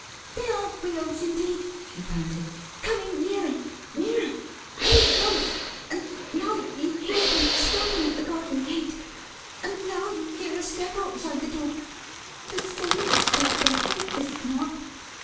"They are wheels indeed!" she panted, "coming nearer! Nearer! Very close! And now you hear them stopping at the garden gate! And now you hear a step outside the door the same step Bertha, is it not!